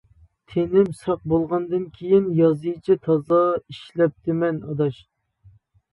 تېنىم ساق بولغاندىن كېيىن يازىچە تازا ئىشلەپتىمەن ئاداش.